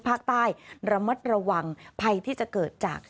ภาคใต้ระมัดระวังภัยที่จะเกิดจาก